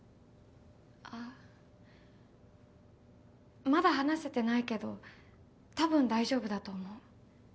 あっまだ話せてないけどたぶん大丈夫だと思う。